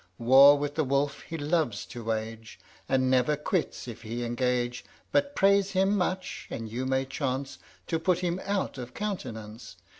War with the wolf he loves to wage, And never quits if he engage; But praise him much, and you may chance To put him out of countenance.